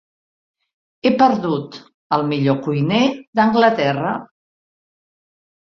He perdut el millor cuiner d'Anglaterra.